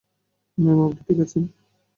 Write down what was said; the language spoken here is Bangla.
ম্যাম, আপনি ঠিক আছেন?